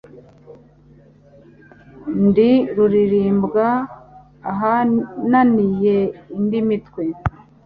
ndi rulirimbwa ahananiye indi mitwe.